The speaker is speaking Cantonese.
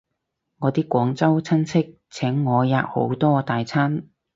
我啲廣州親戚請我吔好多大餐